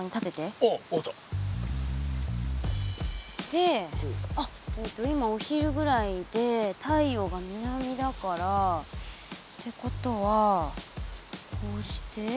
であっ今お昼ぐらいで太陽が南だから。ってことはこうして。